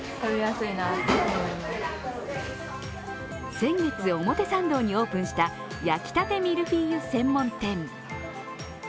先月、表参道にオープンした焼きたてミルフィーユ専門店。